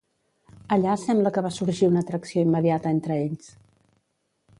Allà sembla que va sorgir una atracció immediata entre ells.